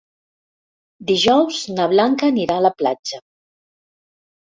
Dijous na Blanca anirà a la platja.